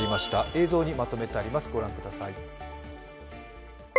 映像にまとめてあります、御覧ください。